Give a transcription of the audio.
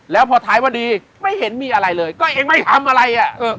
แล้วพอท้ายพอดีไม่เห็นมีอะไรเลยก็เองไม่ทำอะไรอ่ะ